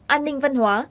an ninh văn hóa